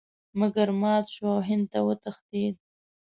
مګر مات شو او هند ته وتښتېد.